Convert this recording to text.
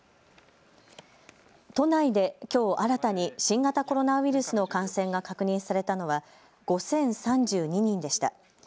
都内できょう新たに新型コロナウイルスの感染が確認されたのは５０３２人でした。